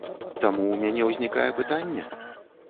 Таму ў мяне ўзнікае пытанне?